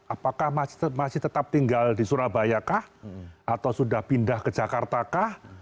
apakah masih tetap tinggal di surabaya kah atau sudah pindah ke jakarta kah